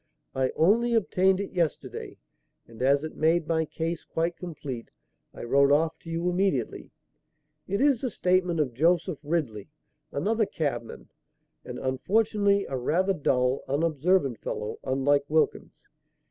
I only obtained it yesterday, and, as it made my case quite complete, I wrote off to you immediately. It is the statement of Joseph Ridley, another cabman, and unfortunately, a rather dull, unobservant fellow, unlike Wilkins.